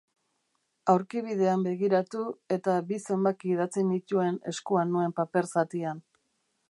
Aurkibidean begiratu, eta bi zenbaki idatzi nituen eskuan nuen paper-zatian.